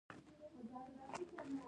آیا کاناډا د راتلونکي هیله نه ده؟